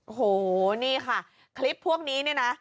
โอ้โหนี่ค่ะคลิปพวกนี้เนี่ยนะ